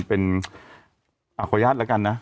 เอาพอญาติละกันนะ